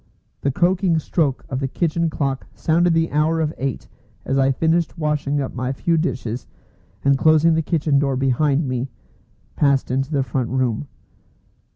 The croaking stroke of the kitchen clock sounded the hour of eight as I finished washing up my few dishes, and closing the kitchen door behind me, passed into the front room.